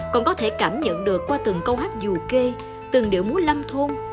còn có thể cảm nhận được qua từng câu hát dù kê từng điệu múa lâm thôn